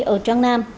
ông nguyễn thịnh